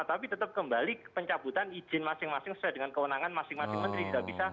tapi tetap kembali pencabutan izin masing masing sesuai dengan kewenangan masing masing menteri sudah bisa